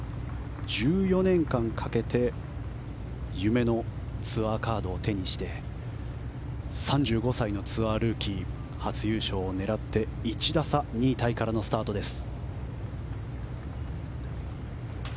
１４年間かけて夢のツアーカードを手にして３５歳のツアールーキー初優勝を狙って１打差、２位タイからのスタートです。